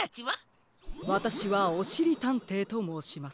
わたしはおしりたんていともうします。